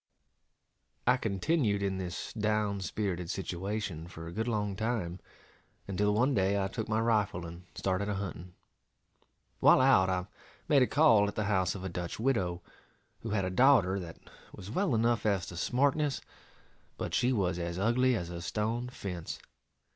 I continued in this down spirited situation for a good long time, until one day I took my rifle and started a hunting. While out, I made a call at the house of a Dutch widow, who had a daughter that was well enough as to smartness, but she was as ugly as a stone fence.